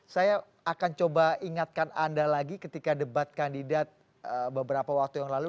saya akan coba ingatkan anda lagi ketika debat kandidat beberapa waktu yang lalu